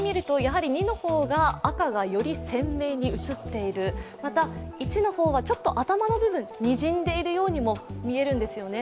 ２の方が赤がより鮮明に映っているまた、１の方はちょっと頭の部分にじんでいるようにも見えるんですよね。